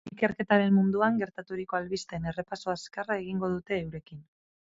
Ikerketaren munduan gertaturiko albisteen errepaso azkarra egingo dute eurekin.